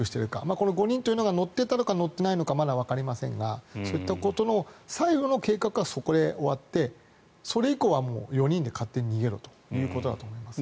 この５人が乗っていたのかどうかはわかりませんがそういったことの最後の計画がそこで終わってそれ以降は４人で勝手に逃げろということだと思いますね。